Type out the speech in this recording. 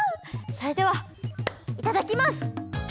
それではいただきます！